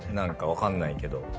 分かんないけど。